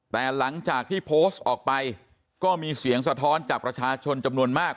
แต่หลังจากที่โพสต์ออกไปก็มีเสียงสะท้อนจากประชาชนจำนวนมาก